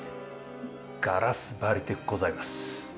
ガラス張りでございます。